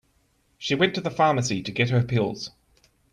She went to the pharmacy to get her pills.